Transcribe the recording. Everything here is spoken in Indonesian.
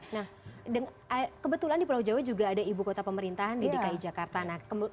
nah kebetulan di pulau jawa juga ada ibu kota pemerintahan di dki jakarta